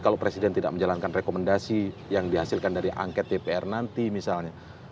kalau presiden tidak menjalankan rekomendasi yang dihasilkan dari angket dpr nanti misalnya